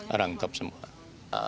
orang top semua